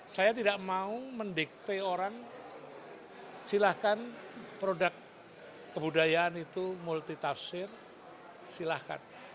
saya tidak mau mendikte orang silahkan produk kebudayaan itu multitafsir silahkan